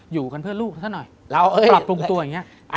อยู่กันเพื่อลูกซะหน่อยเราปรับปรุงตัวอย่างนี้